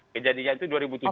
kejadian itu dua ribu tujuh belas